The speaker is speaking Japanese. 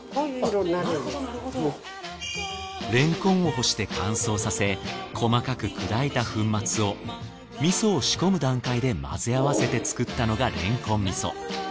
れんこんを干して乾燥させ細かく砕いた粉末を味噌を仕込む段階で混ぜ合わせて作ったのがれんこん味噌。